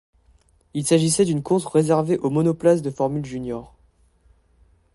Il s'agissait d'une course réservée aux monoplaces de Formule Junior.